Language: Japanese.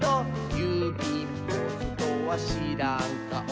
「ゆうびんポストはしらんかお」